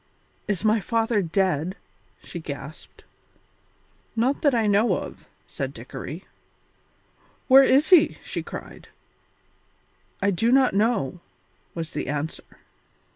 "Is my father dead?" she gasped. "Not that I know of," said Dickory. "Where is he?" she cried. "I do not know," was the answer.